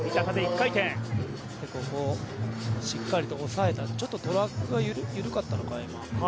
ここ、しっかりと抑えたちょっとトラックが緩かったのかな、今。